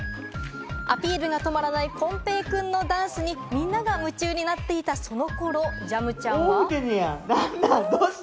アピールが止まらない、こんぺいくんのダンスにみんなが夢中になっていたその頃、ジャムちゃんは。